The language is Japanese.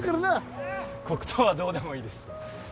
黒糖はどうでもいいです。